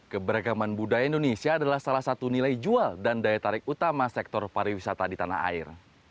keberagaman budaya indonesia adalah salah satu nilai jual dan daya tarik utama sektor pariwisata di tanah air